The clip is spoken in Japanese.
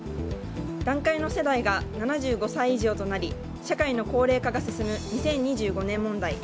団塊の世代が７５歳以上となり社会の高齢化が進む２０２５年問題。